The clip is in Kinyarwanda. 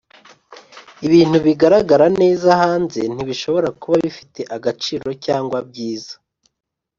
ibintu bigaragara neza hanze ntibishobora kuba bifite agaciro cyangwa byiza.